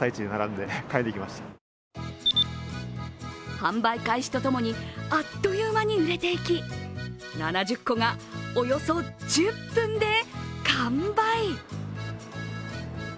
販売開始と共に、あっという間に売れていき、７０個がおよそ１０分で完売。